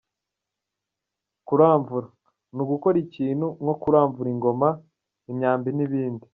Kuramvura : Ni ugukora ikintu, nko kuramvura ingoma, imyambi n’ibindi.